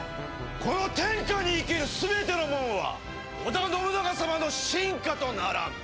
この天下に生きるすべての者は織田信長様の臣下とならん。